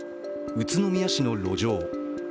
宇都宮市の路上。